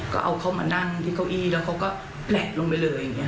ก็เอาเขามานั่งที่เก้าอี้แล้วเขาก็แปะลงไปเลย